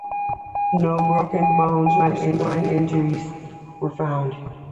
No broken bones or spinal injuries were found.